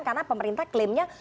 karena pemerintah klaimnya